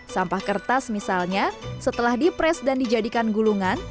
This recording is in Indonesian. sampah kertas misalnya setelah dipres dan dijadikan gulungan